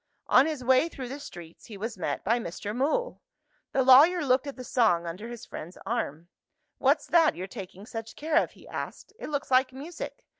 On his way through the streets, he was met by Mr. Mool. The lawyer looked at the song under his friend's arm. "What's that you're taking such care of?" he asked. "It looks like music.